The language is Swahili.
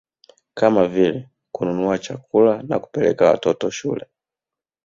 Kama vile kununua chakula na kupeleka watoto shule